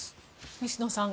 西野さん